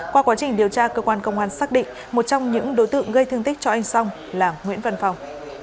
qua quá trình điều tra cơ quan công an xác định một trong những đối tượng gây thương tích cho anh song là nguyễn văn phong